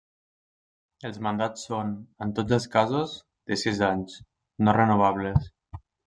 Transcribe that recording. Els mandats són, en tots els casos, de sis anys, no renovables.